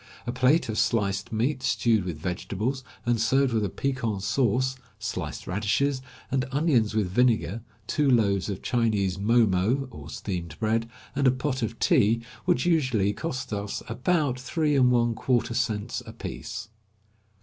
A plate of sliced meat stewed with vegetables, and served with a piquant sauce, sliced radishes and onions with vinegar, two loaves of Chinese mo mo, or steamed bread, and a pot of tea, would usually cost us about three and one quarter cents apiece.